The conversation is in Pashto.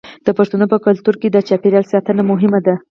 د پښتنو په کلتور کې د چاپیریال ساتنه مهمه ده.